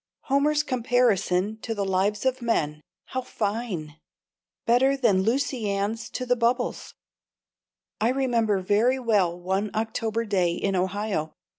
Homer's comparison to the lives of men how fine! Better than Lucian's to the bubbles. I remember very well one October day in Ohio.